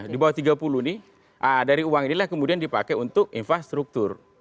di bawah tiga puluh ini dari uang inilah kemudian dipakai untuk infrastruktur